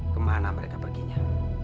kemana mereka perginya